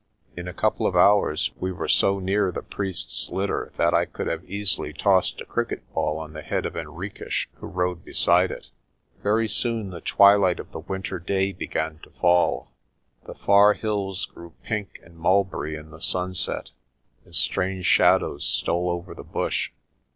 In a couple of hours we were so near the priest's litter that I could have easily tossed a cricket ball on the head of Henriques who rode beside it. Very soon the twilight of the winter day began to fall. The far hills grew pink and mulberry in the sunset, and strange shadows stole over the bush.